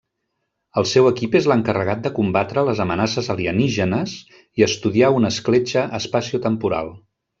El seu equip és l'encarregat de combatre les amenaces alienígenes i estudiar una escletxa espaciotemporal.